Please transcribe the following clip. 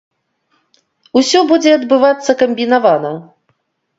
Усё будзе адбывацца камбінавана.